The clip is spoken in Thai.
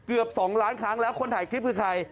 เกือบ๒ล้านครั้งแล้วคนถ่ายคลิปคือใคร